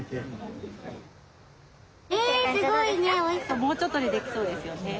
もうちょっとでできそうですよね。